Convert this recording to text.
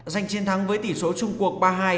danh chiến thắng với tỷ số trung quốc ba hai